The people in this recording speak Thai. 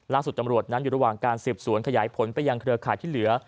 ตำรวจนั้นอยู่ระหว่างการสืบสวนขยายผลไปยังเครือข่ายที่เหลือ